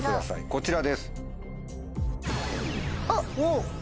こちらです。